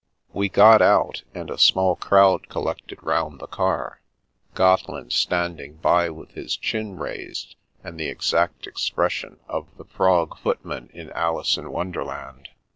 We got out, and a small crowd collected round the car, Gotteland standing by with his chin raised and the exact expression of the frog footman in " Alice in Wonderland."